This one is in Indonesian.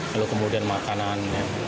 lalu kemudian makanan